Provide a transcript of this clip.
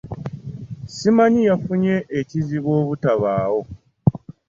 Ssimanyi yafunye kizibu obutabaawo?